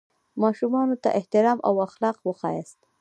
ماشومانو ته احترام او اخلاق وښیاست.